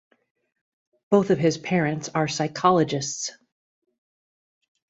Both of his parents are psychologists.